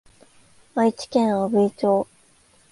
愛知県阿久比町